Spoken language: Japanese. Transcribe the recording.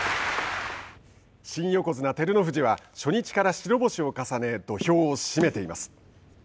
新横綱・照ノ富士は、初日から白星を重ね土俵を締めています。